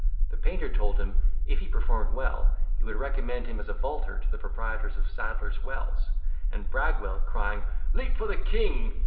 The painter told him, if he performed well, he would recommend him as a vaulter to the proprietors of Sadler's Wells; and Bragwell crying, "Leap for the King!"